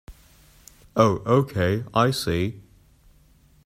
Oh okay, I see.